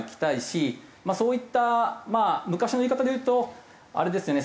そういった昔の言い方で言うとあれですよね